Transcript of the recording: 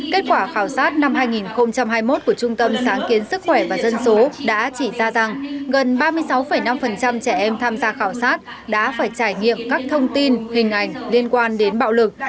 kết quả khảo sát năm hai nghìn hai mươi một của trung tâm sáng kiến sức khỏe và dân số đã chỉ ra rằng gần ba mươi sáu năm trẻ em tham gia khảo sát đã phải trải nghiệm các thông tin hình ảnh liên quan đến bạo lực